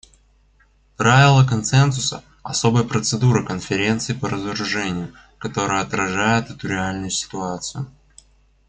Правило консенсуса — особая процедура Конференции по разоружению, которая отражает эту реальную ситуацию.